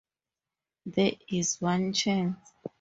There is one chance.